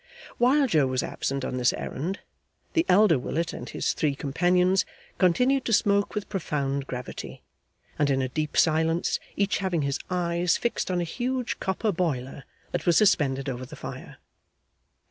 While Joe was absent on this errand, the elder Willet and his three companions continued to smoke with profound gravity, and in a deep silence, each having his eyes fixed on a huge copper boiler that was suspended over the fire.